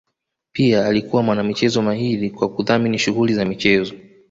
pia alikuwa mwana michezo mahiri kwa kudhamini shughuli za michezo